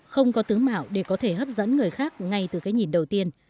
không có tướng mạo để có thể hấp dẫn người khác ngay từ cái nhìn đầu tiên